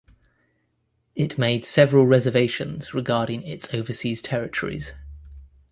It made several reservations regarding its overseas territories.